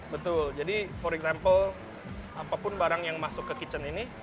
betul jadi for example apapun barang yang masuk ke dapurnya ini